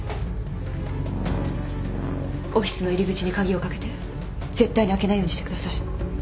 オフィスの入り口に鍵を掛けて絶対に開けないようにしてください。